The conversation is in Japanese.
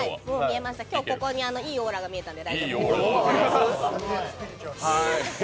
今日、ここにいいオーラが見えたんで大丈夫です。